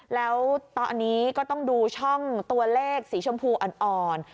แล้วตอนนี้ก็ต้องดูช่องตัวเลขสีชมพูอ่อน